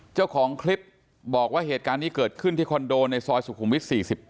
เจ้าของคลิปบอกว่าเหตุการณ์นี้เกิดขึ้นที่คอนโดในซอยสุขุมวิท๔๗